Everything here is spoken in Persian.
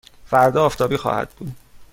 فردا آفتابی خواهد بود.